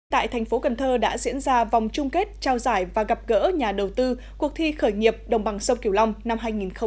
tại thành phố cần thơ đã diễn ra vòng chung kết trao giải và gặp gỡ nhà đầu tư cuộc thi khởi nghiệp đồng bằng sông kiều long năm hai nghìn một mươi chín